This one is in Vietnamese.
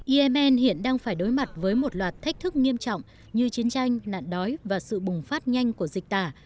yem hiện đang phải đối mặt với một loạt thách thức nghiêm trọng như chiến tranh nạn đói và sự bùng phát nhanh của dịch tả